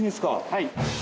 はい。